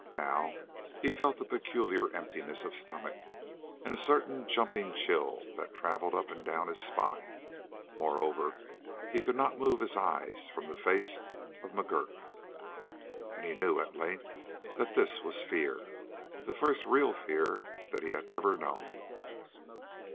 Now he felt a peculiar emptiness of stomach and a certain jumping chill that traveled up and down his spine. Moreover, he could not move his eyes from the face of McGurk, and he knew at length that this was fear the first real fear that he had ever known.